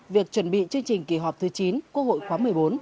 việc chuẩn bị chương trình kỳ họp thứ chín quốc hội khóa một mươi bốn